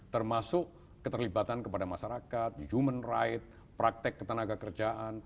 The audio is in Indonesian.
termasuk keterlibatan kepada masyarakat human right praktek ketenaga kerjaan